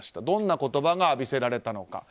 どんな言葉が浴びせられたのか。